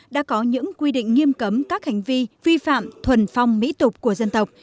đã có những quy định nghiêm cấm các hành vi vi phạm thuần phong mỹ tục của dân tộc